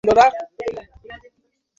উনাকে আসতে বলুন।